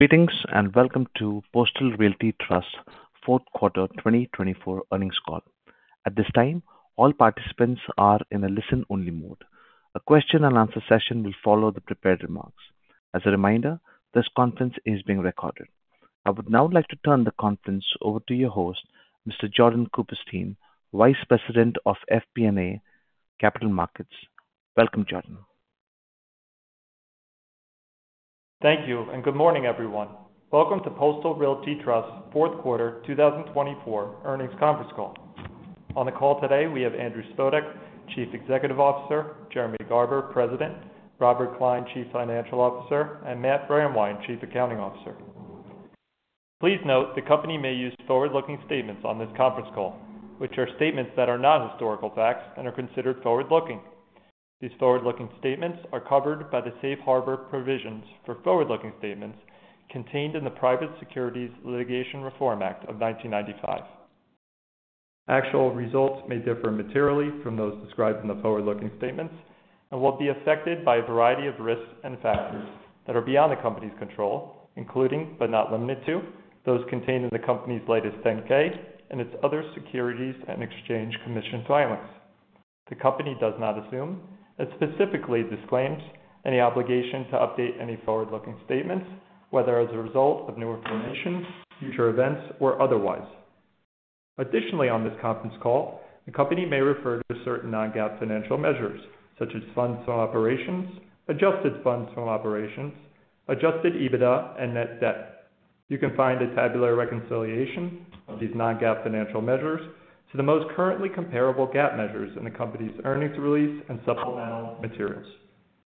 Greetings and welcome to Postal Realty Trust's Q4 2024 Earnings Call. At this time, all participants are in a listen-only mode. A Q&A session will follow the prepared remarks. As a reminder, this conference is being recorded. I would now like to turn the conference over to your host, Mr. Jordan Cooperstein, Vice President of FP&A Capital Markets. Welcome, Jordan. Thank you, and good morning, everyone. Welcome to Postal Realty Trust's Q4 2024 earnings conference call. On the call today, we have Andrew Spodek, Chief Executive Officer, Jeremy Garber, President, Robert Klein, Chief Financial Officer, and Matt Brandwein, Chief Accounting Officer. Please note the company may use forward-looking statements on this conference call, which are statements that are not historical facts and are considered forward-looking. These forward-looking statements are covered by the safe harbor provisions for forward-looking statements contained in the Private Securities Litigation Reform Act of 1995. Actual results may differ materially from those described in the forward-looking statements and will be affected by a variety of risks and factors that are beyond the company's control, including, but not limited to, those contained in the company's latest 10-K and its other Securities and Exchange Commission filings. The company does not assume and specifically disclaims any obligation to update any forward-looking statements, whether as a result of new information, future events, or otherwise. Additionally, on this conference call, the company may refer to certain non-GAAP financial measures, such as funds from operations, adjusted funds from operations, adjusted EBITDA, and net debt. You can find a tabular reconciliation of these non-GAAP financial measures to the most currently comparable GAAP measures in the company's earnings release and supplemental materials.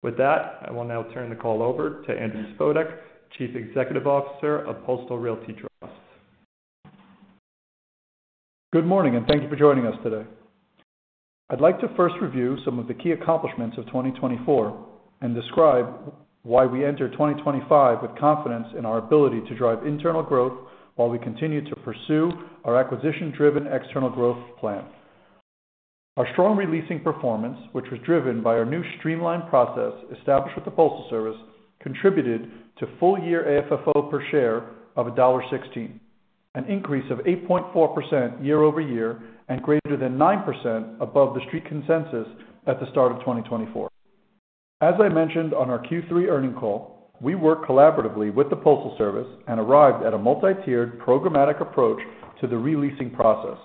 With that, I will now turn the call over to Andrew Spodek, Chief Executive Officer of Postal Realty Trust. Good morning, and thank you for joining us today. I'd like to first review some of the key accomplishments of 2024 and describe why we entered 2025 with confidence in our ability to drive internal growth while we continue to pursue our acquisition-driven external growth plan. Our strong re-leasing performance, which was driven by our new streamlined process established with the Postal Service, contributed to full-year AFFO per share of $1.16, an increase of 8.4% year-over-year and greater than 9% above the Street consensus at the start of 2024. As I mentioned on our Q3 earnings call, we worked collaboratively with the Postal Service and arrived at a multi-tiered programmatic approach to the re-leasing process.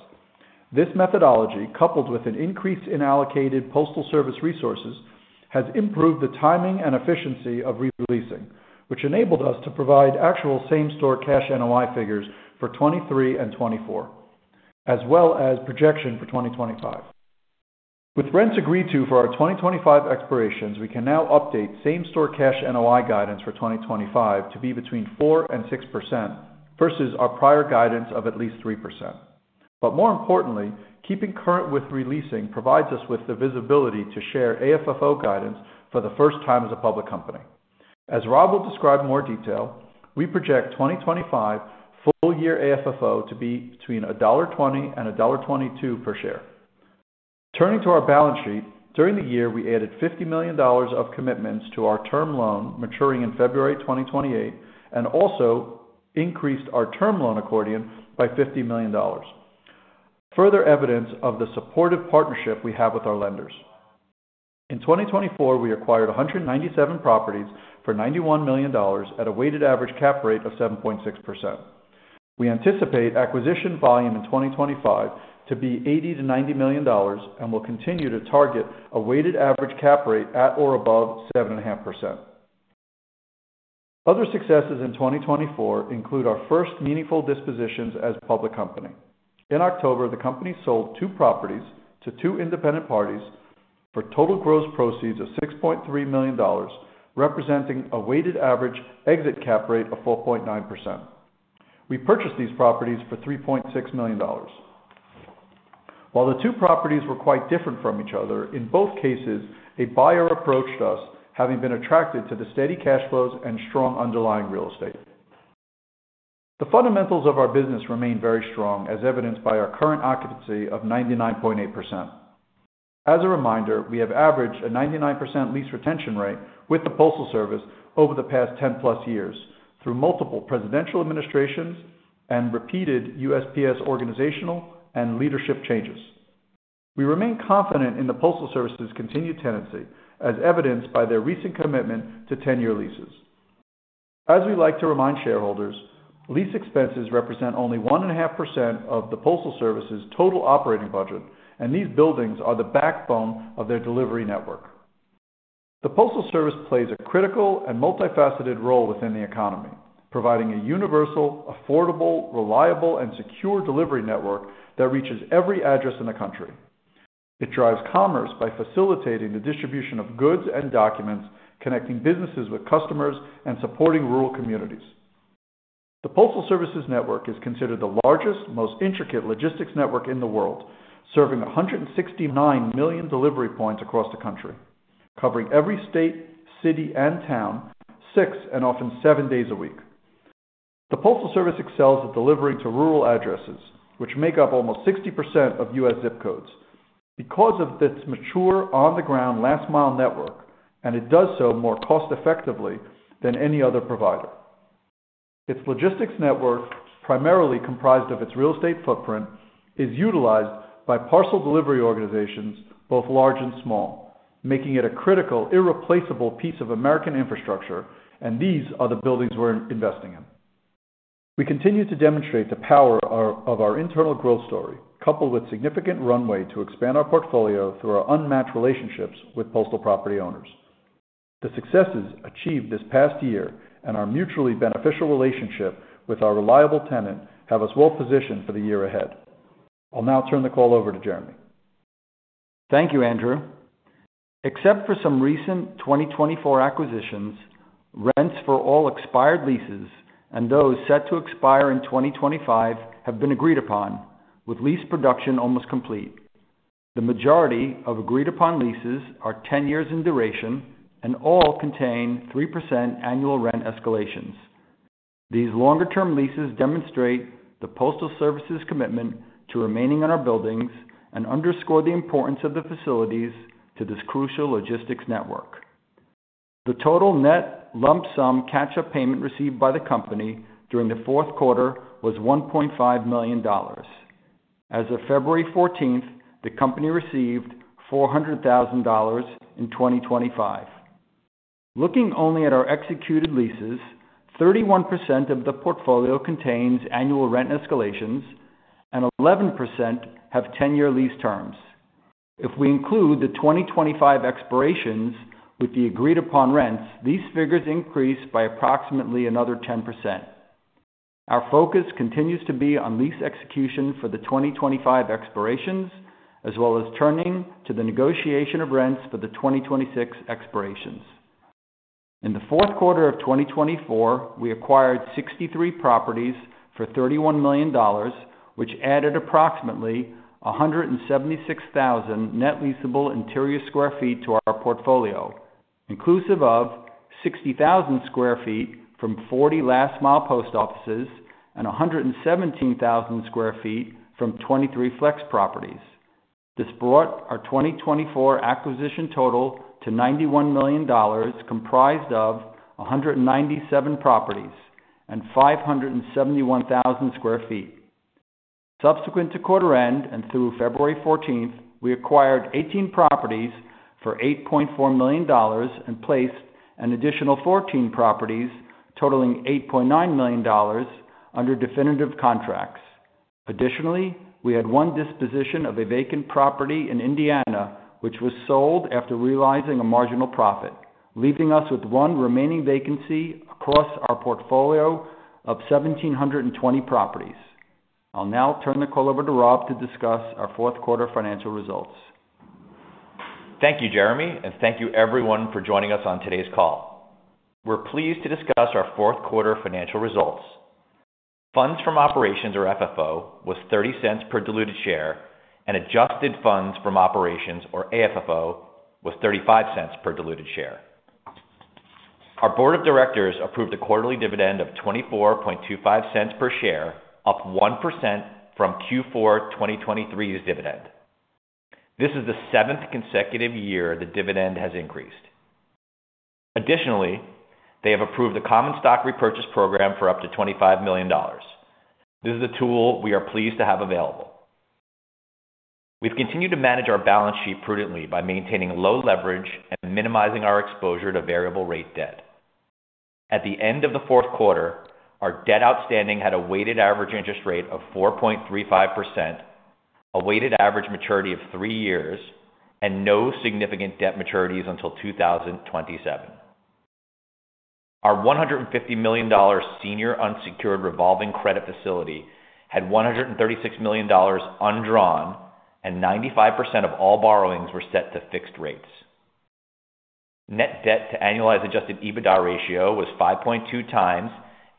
This methodology, coupled with an increase in allocated Postal Service resources, has improved the timing and efficiency of re-leasing, which enabled us to provide actual same-store cash NOI figures for 2023 and 2024, as well as projection for 2025. With rents agreed to for our 2025 expirations, we can now update same-store cash NOI guidance for 2025 to be between 4% and 6% versus our prior guidance of at least 3%. But more importantly, keeping current with re-leasing provides us with the visibility to share AFFO guidance for the first time as a public company. As Rob will describe in more detail, we project 2025 full-year AFFO to be between $1.20 and $1.22 per share. Turning to our balance sheet, during the year, we added $50 million of commitments to our term loan maturing in February 2028 and also increased our term loan accordion by $50 million. Further evidence of the supportive partnership we have with our lenders. In 2024, we acquired 197 properties for $91 million at a weighted average cap rate of 7.6%. We anticipate acquisition volume in 2025 to be $80-$90 million and will continue to target a weighted average cap rate at or above 7.5%. Other successes in 2024 include our first meaningful dispositions as a public company. In October, the company sold two properties to two independent parties for total gross proceeds of $6.3 million, representing a weighted average exit cap rate of 4.9%. We purchased these properties for $3.6 million. While the two properties were quite different from each other, in both cases, a buyer approached us, having been attracted to the steady cash flows and strong underlying real estate. The fundamentals of our business remain very strong, as evidenced by our current occupancy of 99.8%. As a reminder, we have averaged a 99% lease retention rate with the Postal Service over the past 10-plus years through multiple presidential administrations and repeated USPS organizational and leadership changes. We remain confident in the Postal Service's continued tenancy, as evidenced by their recent commitment to 10-year leases. As we like to remind shareholders, lease expenses represent only 1.5% of the Postal Service's total operating budget, and these buildings are the backbone of their delivery network. The Postal Service plays a critical and multifaceted role within the economy, providing a universal, affordable, reliable, and secure delivery network that reaches every address in the country. It drives commerce by facilitating the distribution of goods and documents, connecting businesses with customers, and supporting rural communities. The Postal Service's network is considered the largest, most intricate logistics network in the world, serving 169 million delivery points across the country, covering every state, city, and town, six and often seven days a week. The Postal Service excels at delivering to rural addresses, which make up almost 60% of U.S. ZIP codes, because of its mature, on-the-ground, last-mile network, and it does so more cost-effectively than any other provider. Its logistics network, primarily comprised of its real estate footprint, is utilized by parcel delivery organizations, both large and small, making it a critical, irreplaceable piece of American infrastructure, and these are the buildings we're investing in. We continue to demonstrate the power of our internal growth story, coupled with significant runway to expand our portfolio through our unmatched relationships with Postal property owners. The successes achieved this past year and our mutually beneficial relationship with our reliable tenant have us well-positioned for the year ahead. I'll now turn the call over to Jeremy. Thank you, Andrew. Except for some recent 2024 acquisitions, rents for all expired leases and those set to expire in 2025 have been agreed upon, with lease production almost complete. The majority of agreed-upon leases are 10 years in duration and all contain 3% annual rent escalations. These longer-term leases demonstrate the Postal Service's commitment to remaining in our buildings and underscore the importance of the facilities to this crucial logistics network. The total net lump-sum catch-up payment received by the company during the Q4 was $1.5 million. As of February 14, the company received $400,000 in 2025. Looking only at our executed leases, 31% of the portfolio contains annual rent escalations, and 11% have 10-year lease terms. If we include the 2025 expirations with the agreed-upon rents, these figures increase by approximately another 10%. Our focus continues to be on lease execution for the 2025 expirations, as well as turning to the negotiation of rents for the 2026 expirations. In the Q4 of 2024, we acquired 63 properties for $31 million, which added approximately 176,000 net leasable interior sq ft to our portfolio, inclusive of 60,000 sq ft from 40 last-mile post offices and 117,000 sq ft from 23 flex properties. This brought our 2024 acquisition total to $91 million, comprised of 197 properties and 571,000 sq ft. Subsequent to quarter-end and through February 14, we acquired 18 properties for $8.4 million and placed an additional 14 properties, totaling $8.9 million under definitive contracts. Additionally, we had one disposition of a vacant property in Indiana, which was sold after realizing a marginal profit, leaving us with one remaining vacancy across our portfolio of 1,720 properties. I'll now turn the call over to Rob to discuss our Q4 financial results. Thank you, Jeremy, and thank you, everyone, for joining us on today's call. We're pleased to discuss our Q4 financial results. Funds from operations, or FFO, was $0.30 per diluted share, and adjusted funds from operations, or AFFO, was $0.35 per diluted share. Our board of directors approved a quarterly dividend of $0.2425 per share, up 1% from Q4 2023's dividend. This is the seventh consecutive year the dividend has increased. Additionally, they have approved the common stock repurchase program for up to $25 million. This is a tool we are pleased to have available. We've continued to manage our balance sheet prudently by maintaining low leverage and minimizing our exposure to variable-rate debt. At the end of the Q4, our debt outstanding had a weighted average interest rate of 4.35%, a weighted average maturity of three years, and no significant debt maturities until 2027. Our $150 million senior unsecured revolving credit facility had $136 million undrawn, and 95% of all borrowings were set to fixed rates. Net debt to annualized adjusted EBITDA ratio was 5.2 times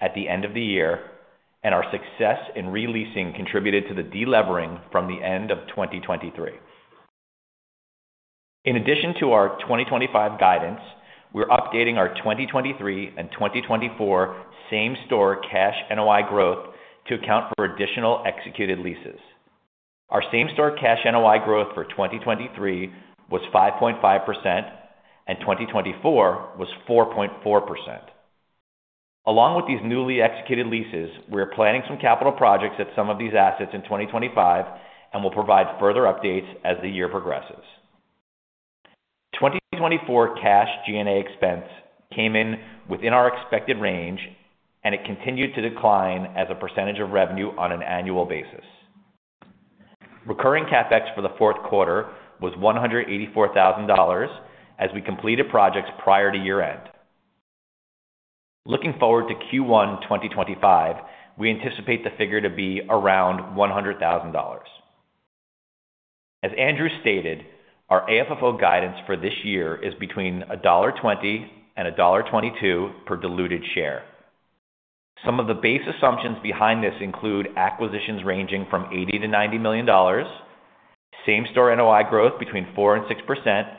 at the end of the year, and our success in re-leasing contributed to the delevering from the end of 2023. In addition to our 2025 guidance, we're updating our 2023 and 2024 same-store cash NOI growth to account for additional executed leases. Our same-store cash NOI growth for 2023 was 5.5%, and 2024 was 4.4%. Along with these newly executed leases, we're planning some capital projects at some of these assets in 2025 and will provide further updates as the year progresses. 2024 cash G&A expense came in within our expected range, and it continued to decline as a percentage of revenue on an annual basis. Recurring CapEx for the Q4 was $184,000 as we completed projects prior to year-end. Looking forward to Q1 2025, we anticipate the figure to be around $100,000. As Andrew stated, our AFFO guidance for this year is between $1.20-$1.22 per diluted share. Some of the base assumptions behind this include acquisitions ranging from $80-$90 million, same-store NOI growth between 4%-6%,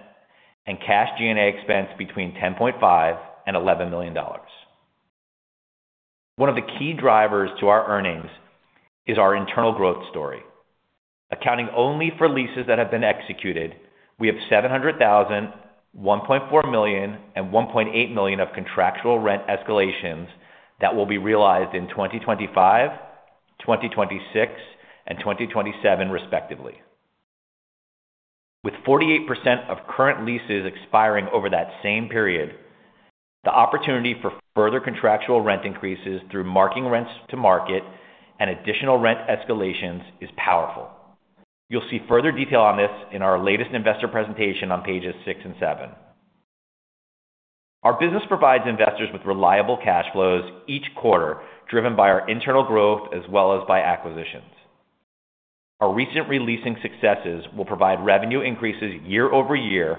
and cash G&A expense between $10.5-$11 million. One of the key drivers to our earnings is our internal growth story. Accounting only for leases that have been executed, we have $700,000, $1.4 million, and $1.8 million of contractual rent escalations that will be realized in 2025, 2026, and 2027, respectively. With 48% of current leases expiring over that same period, the opportunity for further contractual rent increases through marking rents to market and additional rent escalations is powerful. You'll see further detail on this in our latest investor presentation on Pages 6 and 7. Our business provides investors with reliable cash flows each quarter, driven by our internal growth as well as by acquisitions. Our recent re-leasing successes will provide revenue increases year over year,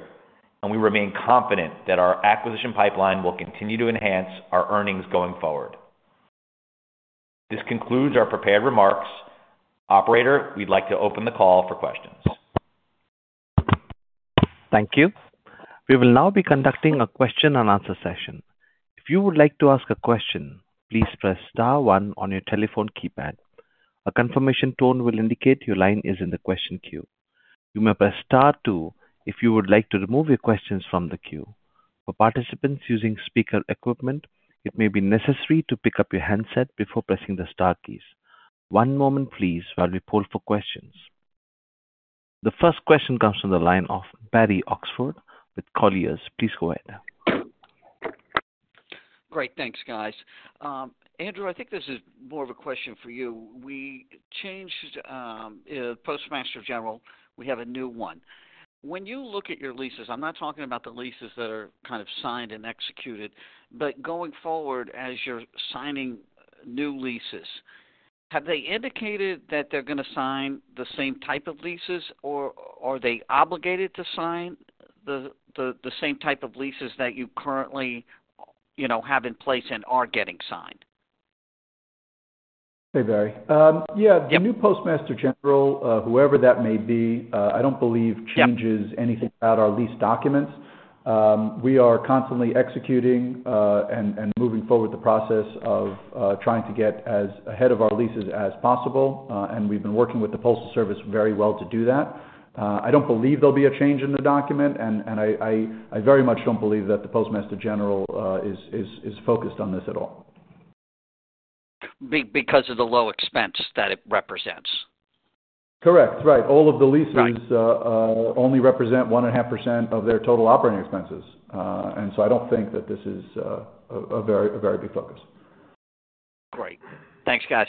and we remain confident that our acquisition pipeline will continue to enhance our earnings going forward. This concludes our prepared remarks. Operator, we'd like to open the call for questions. Thank you. We will now be conducting a Q&A session. If you would like to ask a question, please press star one on your telephone keypad. A confirmation tone will indicate your line is in the question queue. You may press star two if you would like to remove your questions from the queue. For participants using speaker equipment, it may be necessary to pick up your handset before pressing the star keys. One moment, please, while we poll for questions. The first question comes from the line of Barry Oxford with Colliers. Please go ahead. Great. Thanks, guys. Andrew, This is more of a question for you. We changed the Postmaster General. We have a new one. When you look at your leases, I'm not talking about the leases that are kind of signed and executed, but going forward, as you're signing new leases, have they indicated that they're going to sign the same type of leases, or are they obligated to sign the same type of leases that you currently have in place and are getting signed? Hey, Barry. Yeah. The new Postmaster General, whoever that may be, I don't believe changes anything about our lease documents. We are constantly executing and moving forward with the process of trying to get as ahead of our leases as possible, and we've been working with the Postal Service very well to do that. I don't believe there'll be a change in the document, and I very much don't believe that the Postmaster General is focused on this at all. Because of the low expense that it represents? Correct. Right. All of the leases only represent 1.5% of their total operating expenses, and so I don't think that this is a very big focus. Great. Thanks, guys.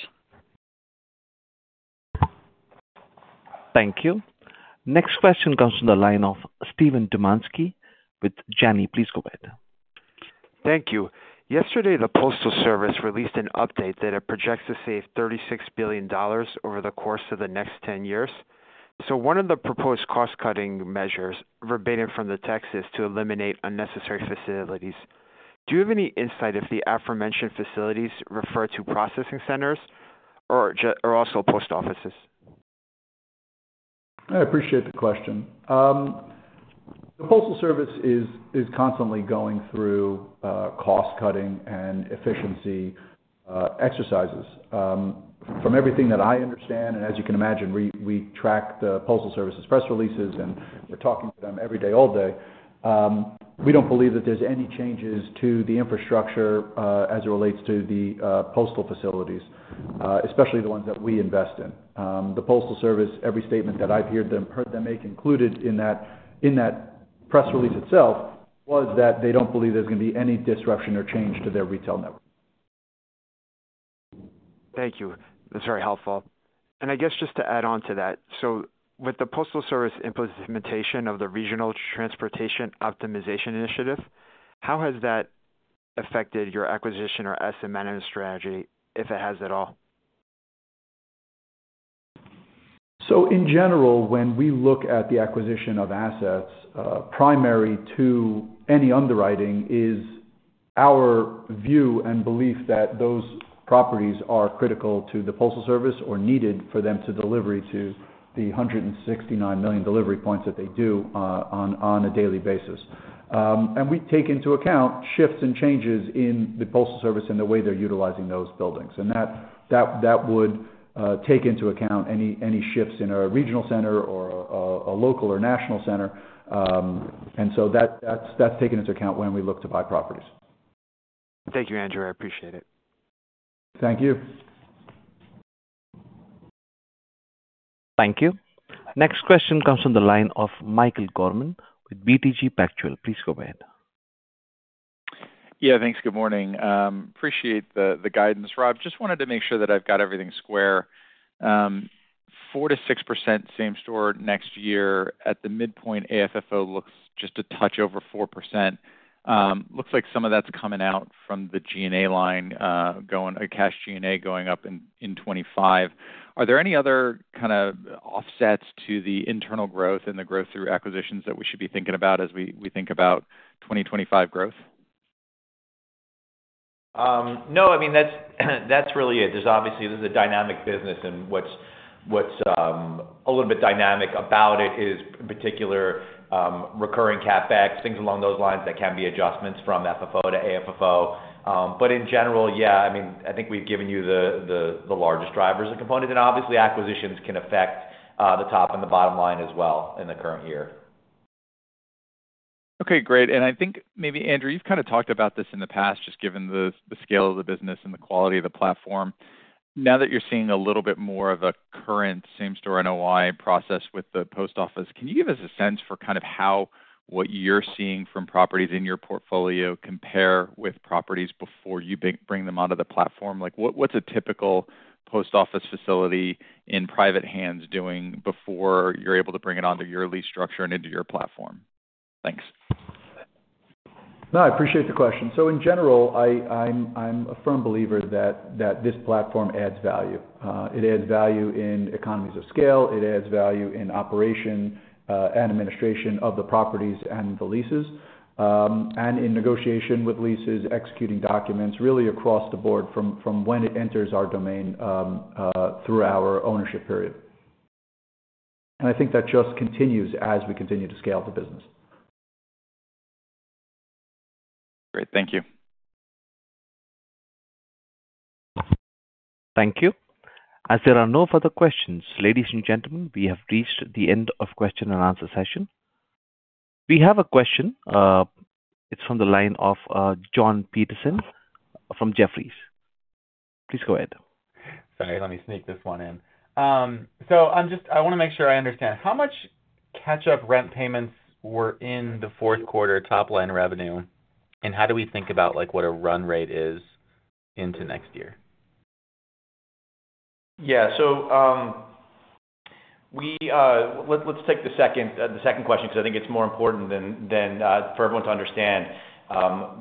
Thank you. Next question comes from the line of Steven Dumanski with Janney. Please go ahead. Thank you. Yesterday, the Postal Service released an update that it projects to save $36 billion over the course of the next 10 years. So one of the proposed cost-cutting measures recited from the text is to eliminate unnecessary facilities. Do you have any insight if the aforementioned facilities refer to processing centers or also post offices? I appreciate the question. The Postal Service is constantly going through cost-cutting and efficiency exercises. From everything that I understand, and as you can imagine, we track the Postal Service's press releases, and we're talking to them every day, all day. We don't believe that there's any changes to the infrastructure as it relates to the postal facilities, especially the ones that we invest in. The Postal Service, every statement that I've heard them make included in that press release itself was that they don't believe there's going to be any disruption or change to their retail network. Thank you. That's very helpful. And I guess just to add on to that, so with the Postal Service implementation of the Regional Transportation Optimization Initiative, how has that affected your acquisition or asset management strategy, if it has at all? In general, when we look at the acquisition of assets, primary to any underwriting is our view and belief that those properties are critical to the Postal Service or needed for them to deliver to the 169 million delivery points that they do on a daily basis. We take into account shifts and changes in the Postal Service and the way they're utilizing those buildings. That would take into account any shifts in a regional center or a local or national center. So that's taken into account when we look to buy properties. Thank you, Andrew. I appreciate it. Thank you. Thank you. Next question comes from the line of Michael Gorman with BTG Pactual. Please go ahead. Yeah. Thanks. Good morning. Appreciate the guidance, Rob. Just wanted to make sure that I've got everything square. 4%-6% same store next year. At the midpoint, AFFO looks just a touch over 4%. Looks like some of that's coming out from the G&A line, cash G&A going up in 2025. Are there any other kind of offsets to the internal growth and the growth through acquisitions that we should be thinking about as we think about 2025 growth? No. That's really it. Obviously, this is a dynamic business, and what's a little bit dynamic about it is, in particular, recurring CapEx, things along those lines that can be adjustments from FFO to AFFO. But in general, yeah, we've given you the largest drivers and components. And obviously, acquisitions can affect the top and the bottom line as well in the current year. Okay. Great. Andrew, you've kind of talked about this in the past, just given the scale of the business and the quality of the platform. Now that you're seeing a little bit more of a current same-store NOI process with the post office, can you give us a sense for kind of how what you're seeing from properties in your portfolio compare with properties before you bring them onto the platform? What's a typical post office facility in private hands doing before you're able to bring it onto your lease structure and into your platform? Thanks. No, I appreciate the question. So in general, I'm a firm believer that this platform adds value. It adds value in economies of scale. It adds value in operation and administration of the properties and the leases, and in negotiation with leases, executing documents, really across the board from when it enters our domain through our ownership period. That just continues as we continue to scale the business. Great. Thank you. Thank you. As there are no further questions, ladies and gentlemen, we have reached the end of the Q&A session. We have a question. It's from the line of John Peterson from Jefferies. Please go ahead. Sorry. Let me sneak this one in. So I want to make sure I understand. How much catch-up rent payments were in the Q4 top-line revenue, and how do we think about what a run rate is into next year? Yeah. So let's take the second question because it's more important for everyone to understand.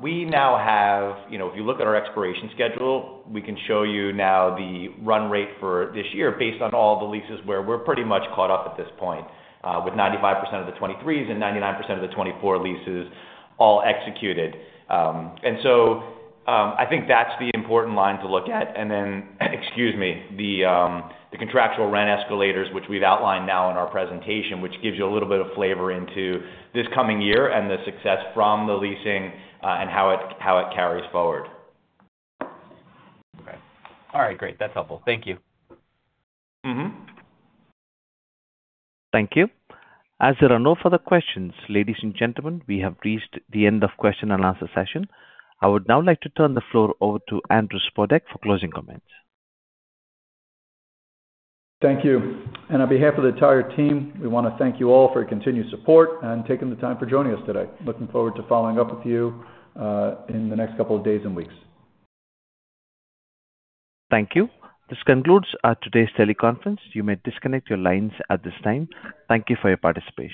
We now have, if you look at our expiration schedule, we can show you now the run rate for this year based on all the leases where we're pretty much caught up at this point with 95% of the 2023s and 99% of the 2024 leases all executed. And that's the important line to look at. And then, excuse me, the contractual rent escalators, which we've outlined now in our presentation, which gives you a little bit of flavor into this coming year and the success from the leasing and how it carries forward. Okay. All right. Great. That's helpful. Thank you. Thank you. As there are no further questions, ladies and gentlemen, we have reached the end of the Q&A session. I would now like to turn the floor over to Andrew Spodek for closing comments. Thank you. And on behalf of the entire team, we want to thank you all for your continued support and taking the time for joining us today. Looking forward to following up with you in the next couple of days and weeks. Thank you. This concludes today's teleconference. You may disconnect your lines at this time. Thank you for your participation.